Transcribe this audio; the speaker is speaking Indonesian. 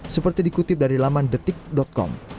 seperti dikutip dari laman detik com